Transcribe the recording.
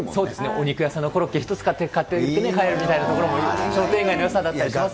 お肉屋さんのコロッケ１つ買って帰るみたいなのもね、商店街のよさだったりしますよね。